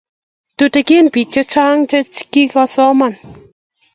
tuten pik che chnga che kikosoman